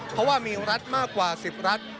เพราะว่ามีรัฐมากกว่า๑๐รัฐ